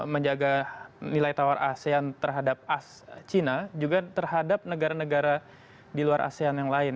menjaga nilai tawar asean terhadap cina juga terhadap negara negara di luar asean yang lain